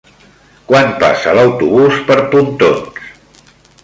Quan passa l'autobús per Pontons?